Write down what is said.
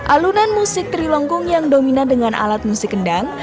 alunan musik trilongkung yang dominan dengan alat musik kendang